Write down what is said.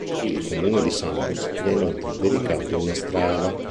Il Comune di Santos gli ha, inoltre, dedicato una strada.